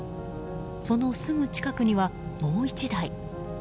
そのすぐ近くには、もう１台。